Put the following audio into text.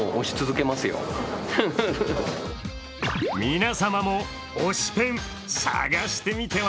皆様も推しペン探してみては？